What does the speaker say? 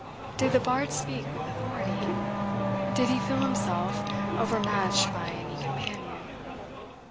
Did the bard speak with authority? Did he feel himself, overmatched by any companion?